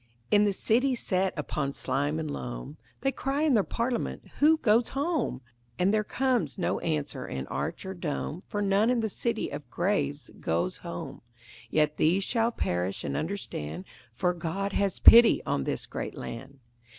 In the city set upon slime and loam They cry in their parliament "Who goes home?" And there comes no answer in arch or dome, For none in the city of graves goes home. Yet these shall perish and understand, For God has pity on this great land.